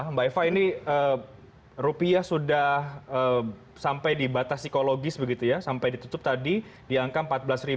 mbak eva ini rupiah sudah sampai di batas psikologis begitu ya sampai ditutup tadi di angka rp empat belas sembilan ratus tiga puluh